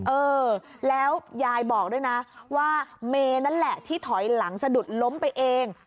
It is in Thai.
เออแล้วยายบอกด้วยนะว่าเมย์นั่นแหละที่ถอยหลังสะดุดล้มไปเอง